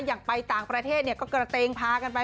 อย่างไปต่างประเทศก็กระเตงพากันไป